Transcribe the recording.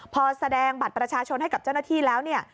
พอแสดงบัตรประชาชนให้กับเจ้าหน้าที่แล้วเนี่ย